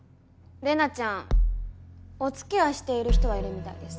レナちゃんお付き合いしている人はいるみたいです。